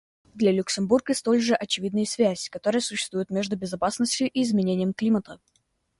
Для Люксембурга столь же очевидна и связь, которая существует между безопасностью и изменением климата.